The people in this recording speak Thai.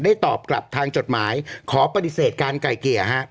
ตอบกลับทางจดหมายขอปฏิเสธการไก่เกลี่ยฮะ